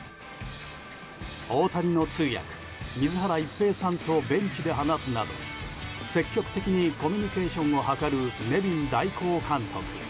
大谷の通訳、水原一平さんとベンチで話すなど積極的にコミュニケーションを図るネビン代行監督。